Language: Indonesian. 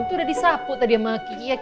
itu udah disapu tadi sama kiyek